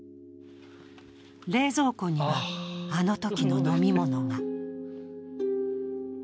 冷蔵庫には、あのときの飲み物が。